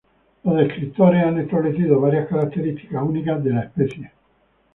Los descriptores han establecido varias características únicas de la especie.